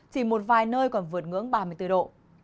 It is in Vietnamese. chỉ một vài nơi còn vượt ngưỡng ba mươi bốn độ